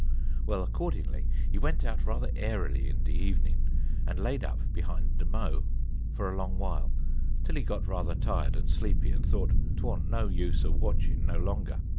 Well accordingly he went out rather airly in de evenin', and laid up behind de mow, for a long while, till he got rather tired and sleepy, and thought 'twaunt no use a watchin' no longer.